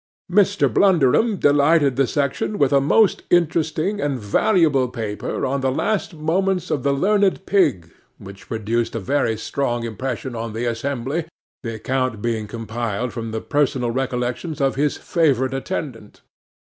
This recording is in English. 'MR. BLUNDERUM delighted the section with a most interesting and valuable paper "on the last moments of the learned pig," which produced a very strong impression on the assembly, the account being compiled from the personal recollections of his favourite attendant.